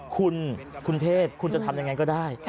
คุณคุณเทพคุณจะทำยังไงก็ได้